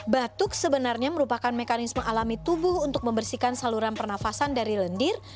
batuk sebenarnya merupakan mekanisme alami tubuh untuk membersihkan saluran pernafasan dari lendir